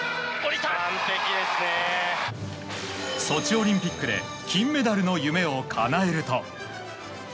ソチオリンピックで金メダルの夢をかなえると。